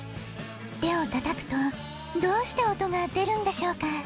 てをたたくとどうしておとがでるんでしょうか？